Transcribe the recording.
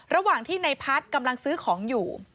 ระหว่างที่ในพัฒน์กำลังซื้อของอยู่